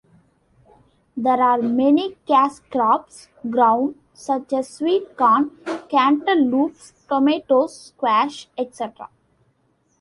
There are many cash crops grown such as sweet corn, cantaloupes, tomatoes, squash, etc...